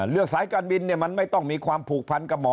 สายการบินมันไม่ต้องมีความผูกพันกับหมอ